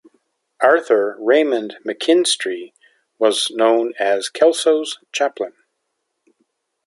Arthur Raymond McKinstry was known as Kelso's chaplain.